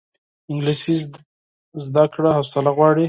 انګلیسي زده کړه حوصله غواړي